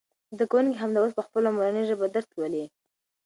زده کوونکي همدا اوس په خپله مورنۍ ژبه درس لولي.